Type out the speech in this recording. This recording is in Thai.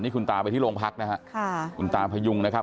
คุณตาไปที่โรงพักนะฮะค่ะคุณตาพยุงนะครับ